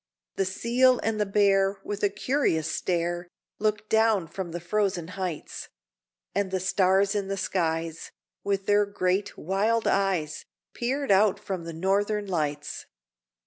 The seal and the bear, with a curious stare, Looked down from the frozen heights, And the stars in the skies, with their great, wild eyes, Peered out from the Northern Lights.